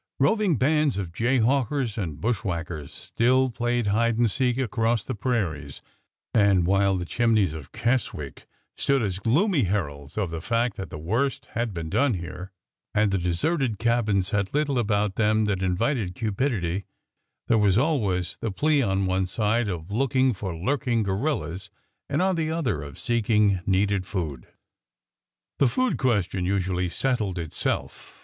Roving bands of jayhawkers and bushwhackers still played hide and seek across the prairies, and while the chimneys of Keswick stood as gloomy heralds of the fact that the worst had been done here, and the deserted cabins had little about them that invited cupidity, there was al ways the plea on one side of looking for lurking guer rillas, and on the other, of seeking needed food. THE HEIR COMES TO HIS OWN 313 The food question usually settled itself.